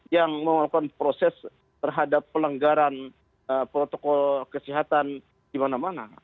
yang melakukan proses terhadap pelanggaran protokol kesehatan di mana mana